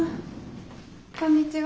こんにちは。